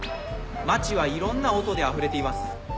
街はいろんな音で溢れています。